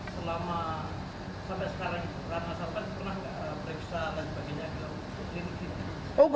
selama sampai sekarang ramai sampai pernah gak periksa lagi bagiannya ke laut